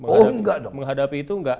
oh enggak dong